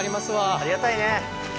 ありがたいね。